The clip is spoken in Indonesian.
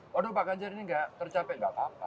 waduh pak genjar ini gak tercapai gak apa apa